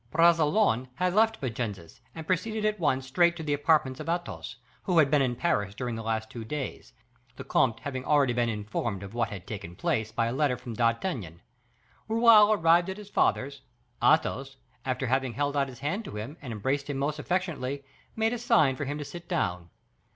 Bragelonne had left Vincennes, and proceeded at once straight to the apartments of Athos, who had been in Paris during the last two days, the comte having been already informed of what had taken place, by a letter from D'Artagnan. Raoul arrived at his father's; Athos, after having held out his hand to him, and embraced him most affectionately, made a sign for him to sit down.